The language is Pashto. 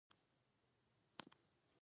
دویم باید مبادلوي ارزښت ولري.